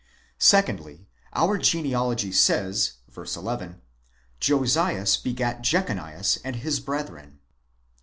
Secondly: our genealogy says v. 11, /Josias begat Jechonias and his brethren.